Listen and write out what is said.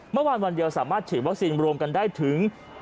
เมื่อวานวันเดียวสามารถฉีดวัคซีนรวมกันได้ถึง๑๒๙๙๓๐๗โดส